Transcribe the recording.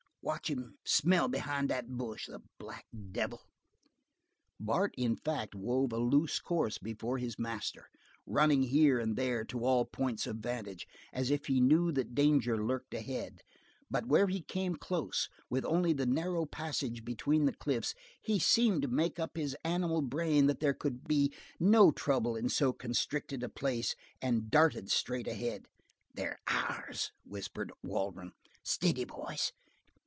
Watch him smell behind that bush. The black devil!" Bart, in fact, wove a loose course before his master, running here and there to all points of vantage, as if he knew that danger lurked ahead, but where he came close, with only the narrow passage between the cliffs, he seemed to make up his animal brain that there could be no trouble in so constricted a place, and darted straight ahead. "They're ours," whispered Waldron. "Steady, boys.